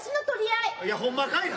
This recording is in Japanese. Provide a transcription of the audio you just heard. いやほんまかいな。